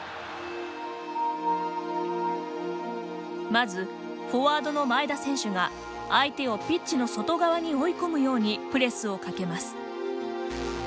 まず、フォワードの前田選手が相手をピッチの外側に追い込むようにプレスをかけます。